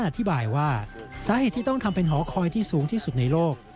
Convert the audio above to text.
อธิบายว่าสาเหตุที่ต้องทำเป็นหอคอยที่สูงที่สุดในโลก